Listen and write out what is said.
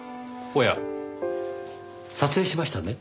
おや撮影しましたね？